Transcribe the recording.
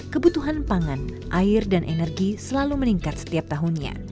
kebutuhan pangan air dan energi selalu meningkat setiap tahunnya